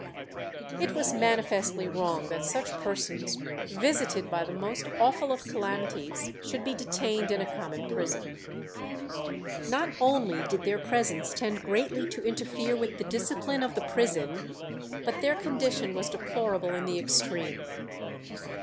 It was manifestly wrong that such persons, "visited by the most awful of calamities," should be detained in a common prison. Not only did their presence tend greatly to interfere with the discipline of the prison, but their condition was deplorable in the extreme.